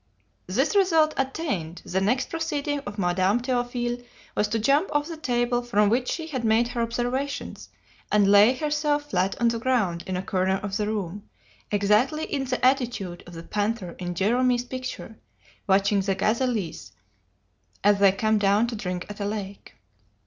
"This result attained, the next proceeding of Madame Théophile was to jump off the table from which she had made her observations, and lay herself flat on the ground in a corner of the room, exactly in the attitude of the panther in Gérôme's picture watching the gazelles as they come down to drink at a lake.